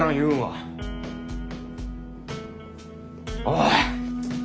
おい。